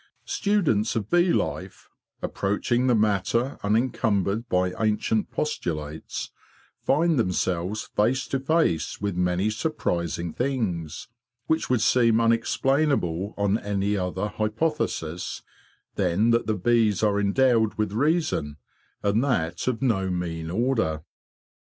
Students of bee life, approaching the matter unencumbered by ancient postulates, find themselves face to face with many surprising things, which would seem unexplainable on any other hypothesis than that the bees are endowed with reason, and that of no mean order.